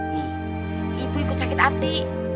nih ibu ikut sakit arti